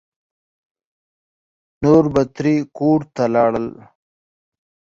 نور به ترې کور ته لاړل.